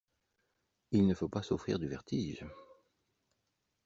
Il ne faut pas souffrir du vertige.